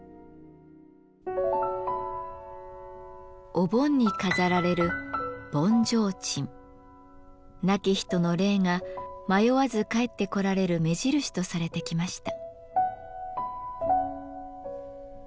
お盆に飾られる亡き人の霊が迷わず帰ってこられる目印とされてきました。